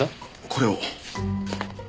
これを。